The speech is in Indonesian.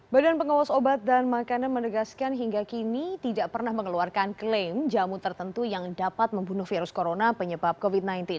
badan pengawas obat dan makanan menegaskan hingga kini tidak pernah mengeluarkan klaim jamu tertentu yang dapat membunuh virus corona penyebab covid sembilan belas